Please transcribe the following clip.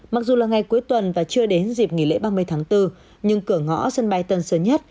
mặc dù là ngày cuối tuần và chưa đến dịp nghỉ lễ ba mươi tháng bốn nhưng cửa ngõ sân bay tân sơn nhất